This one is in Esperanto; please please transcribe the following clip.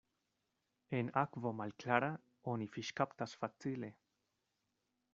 En akvo malklara oni fiŝkaptas facile.